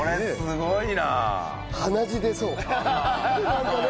なんかね！